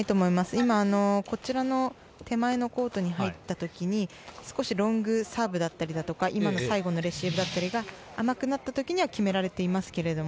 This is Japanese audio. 今、手前のコートに入った時にロングサーブだったり今の最後のレシーブだったりが甘くなった時には決められていますけれども。